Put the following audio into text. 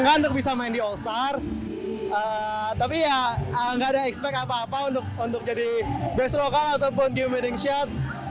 nggak untuk bisa main di all star tapi ya nggak ada expect apa apa untuk jadi best lokal ataupun game meeting shot